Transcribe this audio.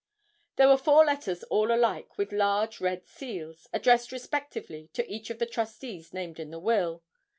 There were four letters all alike with large, red seals, addressed respectively to each of the trustees named in the will.